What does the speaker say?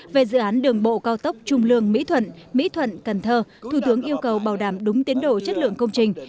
về dự án đường bộ cao tốc trung lương mỹ thuận mỹ thuận cần thơ thủ tướng yêu cầu bảo đảm đúng tiến độ chất lượng công trình